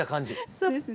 そうですね。